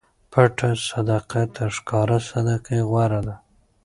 پټه صدقه تر ښکاره صدقې غوره ده.